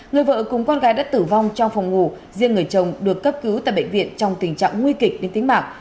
người vợ cùng con gái đã tử vong trong phòng ngủ riêng người chồng được cấp cứu tại bệnh viện trong tình trạng nguy kịch đến tính mạng